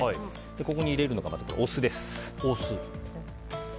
ここに入れるのがまず、お酢です。